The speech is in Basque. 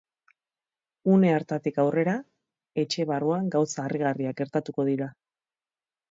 Une hartatik aurrera etxe barruan gauza harrigarriak gertatuko dira.